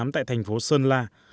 tại thành phố sơn la